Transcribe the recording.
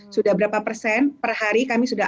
sudah berapa persen per hari kami sudah